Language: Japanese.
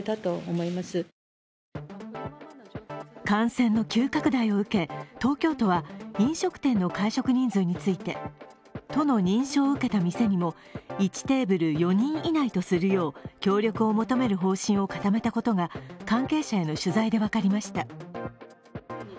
感染の急拡大を受け東京都は、飲食店の会食人数について都の認証を受けた店にも１テーブル４人以内とするよう協力を求める方針を固めたことが関係者への取材で分かりました。